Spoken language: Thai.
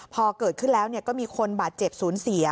พอเกิดขึ้นแล้วก็มีคนบาดเจ็บศูนย์เสีย